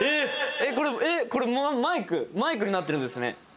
エッこれもエッこれもマイクマイクになってるんですね。